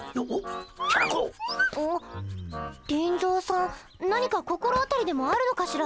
リンゾーさん何か心当たりでもあるのかしら。